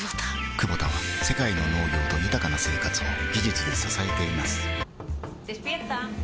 クボタは世界の農業と豊かな生活を技術で支えています起きて。